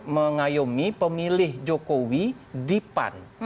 mengayomi pemilih jokowi di pan